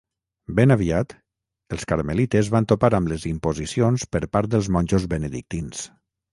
Ben aviat, els carmelites van topar amb les imposicions per part dels monjos benedictins.